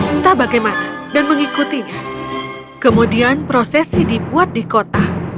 entah bagaimana dan mengikutinya kemudian prosesi dibuat di kota